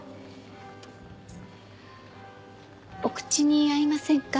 お口に合いませんか？